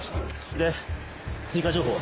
で追加情報は？